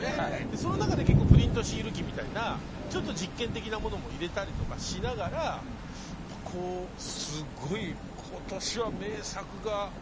その中で結構プリントシール機みたいなちょっと実験的なものも入れたりとかしながらやっぱこうすごい今年は名作が多かったなと思いましたね。